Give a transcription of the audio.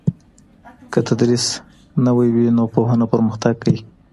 که تدریس نوی وي نو پوهنه پرمختګ کوي.